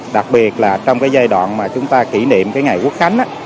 đặc biệt là trong cái giai đoạn mà chúng ta kỷ niệm cái ngày quốc khánh á